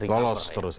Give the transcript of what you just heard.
lolos terus ya